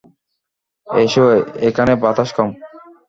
এসো, এখানে বাতাস কম।